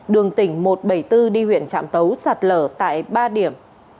đường tỉnh một trăm bảy mươi bốn đi huyện trạm tấu sạt lở tại ba điểm